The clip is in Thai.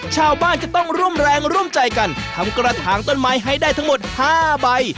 ชาวบ้านก็ต้องร่วมแรงร่วมใจกันทำกระถางต้นไม้ให้ได้ทั้งหมด๕ใบ